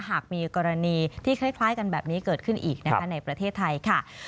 หากมีกรณีที่คล้ายกันแบบนี้เกิดขึ้นอีกนะคะในประเทศไทยค่ะ